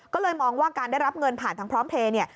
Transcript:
ก็เลยมองว่าการได้รับเงินผ่านทางพร้อมเพลย์เนี่ย